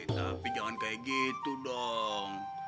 tapi jangan kayak gitu dong